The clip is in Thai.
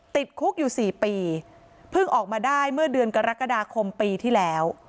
ติดคุกอยู่๔ปีเพิ่งออกมาได้เมื่อเดือนกรกฎาคมปีที่แล้ว